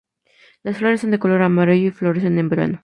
Las flores son de color amarillo, y florecen en verano.